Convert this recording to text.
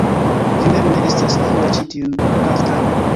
Vi mem ne estas inda ĉi tiun kaftanon!